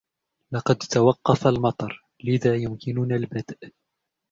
لقد توقف المطر, لذا يمكننا البدء.